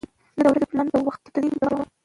زه د ورځې پلان د وخت د تنظیم لپاره جوړوم.